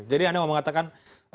jadi anda mau mengatakan